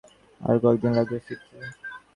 আরো কয়েকদিন লাগবে ফিরতে।